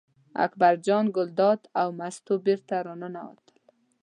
اکبر جان ګلداد او مستو بېرته راننوتل.